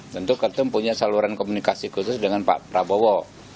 tentu kpu punya saluran komunikasi khusus dengan pak prabowo